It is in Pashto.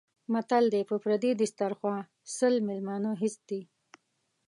متل دی: په پردي دیسترخوا سل مېلمانه هېڅ دي.